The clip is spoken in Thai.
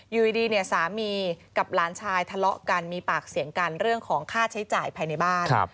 อยู่ดีเนี่ยสามีกับหลานชายทะเลาะกันมีปากเสียงกันเรื่องของค่าใช้จ่ายภายในบ้าน